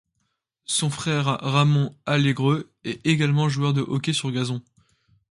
Son frère Ramón Alegre est également joueur de hockey sur gazon.